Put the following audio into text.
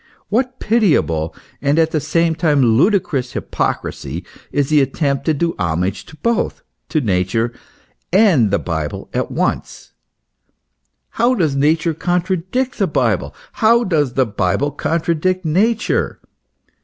What pitiable and at the same time ludicrous hypocrisy is the attempt to do homage to both, to Nature and the Bible at once ! How does Nature contradict the Bible ! How does the Bible contradict Nature